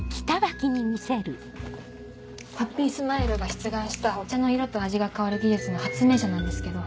ハッピースマイルが出願したお茶の色と味が変わる技術の発明者なんですけど。